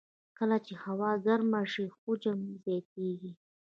کله چې هوا ګرمه شي، حجم یې زیاتېږي.